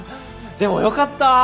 でもよかった。